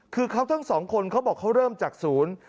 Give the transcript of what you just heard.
คือเขาทั้งสองคนเขาบอกเขาเริ่มจากศูนย์